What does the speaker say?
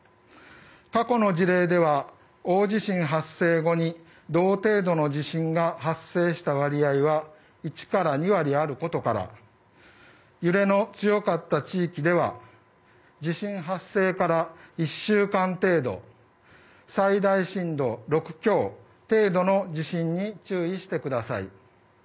過去の事例では大地震発生後に同程度の地震が発生した割合は１から２割あることから揺れの強かった地域では地震発生から１週間程度最大震度６強程度の地震に注意してください。